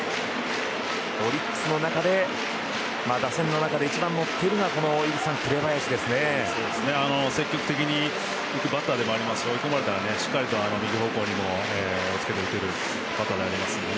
オリックス打線の中で一番乗っているのは積極的に行くバッターでもありますし追い込まれたらしっかりと右方向におっつけて打てるバッターなので。